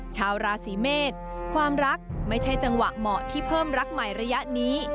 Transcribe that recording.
ชาวราศีเมษความรักไม่ใช่จังหวะเหมาะที่เพิ่มรักใหม่ระยะนี้